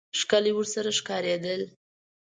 ښکلي ورسره ښکارېدل.